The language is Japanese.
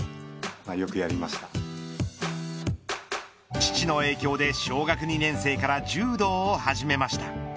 父の影響で小学２年生から柔道を始めました。